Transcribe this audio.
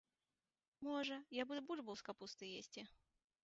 Можа, я буду бульбу з капустай есці!